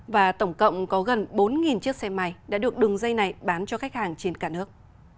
và tổng cộng có gần bốn chiếc xe máy đã được đường dây này bán cho khách hàng trên cả nước